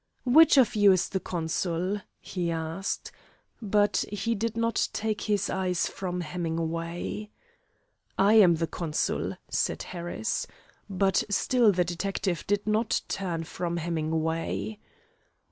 "Which of you is the consul?" he asked. But he did not take his eyes from Hemingway. "I am the consul," said Harris. But still the detective did not turn from Hemingway.